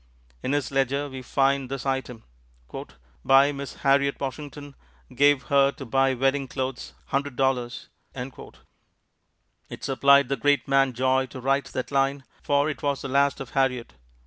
In his ledger we find this item: "By Miss Harriot Washington, gave her to buy wedding clothes, $100.00." It supplied the great man joy to write that line, for it was the last of Harriot.